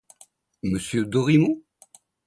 Monsieur Dorimon?